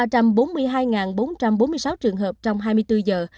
ba trăm bốn mươi hai bốn trăm bốn mươi sáu trường hợp trong hai mươi bốn giờ